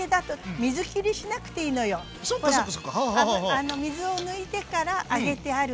あの水を抜いてから揚げてあるから。